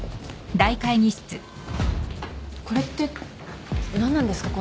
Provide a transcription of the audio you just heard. これって何なんですか？